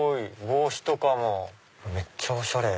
帽子とかもめっちゃおしゃれ！